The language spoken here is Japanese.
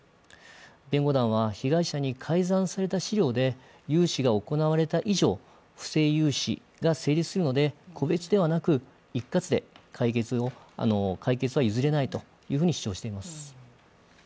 弁護団は、被害者に改ざんされた資料で融資が行われた以上、不正融資が成立するので、個別ではなく一括で解決は譲れないと主張しています。